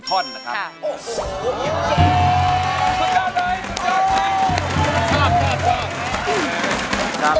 ๑ท่อนเหรอครับขอบคุณจริงจริง